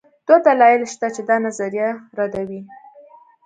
دوه دلایل شته چې دا نظریه ردوي.